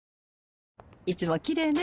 いつもきれいね。